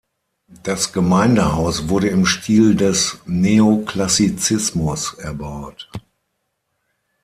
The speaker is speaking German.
Das Gemeindehaus wurde im Stil des Neoklassizismus erbaut.